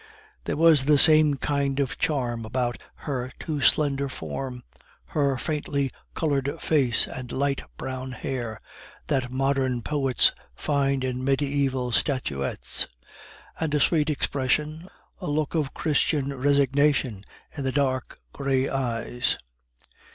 There was the same kind of charm about her too slender form, her faintly colored face and light brown hair, that modern poets find in mediaeval statuettes; and a sweet expression, a look of Christian resignation in the dark gray eyes.